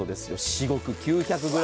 至極９００ｇ。